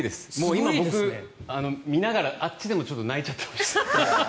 今、僕見ながら、あっちでもちょっと泣いてました。